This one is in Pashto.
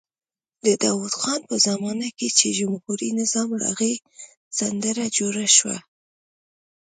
د داود خان په زمانه کې چې جمهوري نظام راغی سندره جوړه شوه.